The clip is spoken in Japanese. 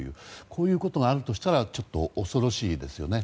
こういうことがあるとしたらちょっと恐ろしいですよね。